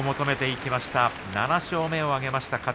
７勝目を挙げました。